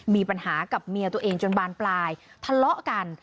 มีปัญหากับเมียตัวเองจนบานปลายทะเลาะกัน